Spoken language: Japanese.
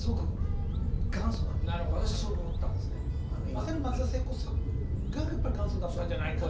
まさに松田聖子さんが元祖だったんじゃないかという。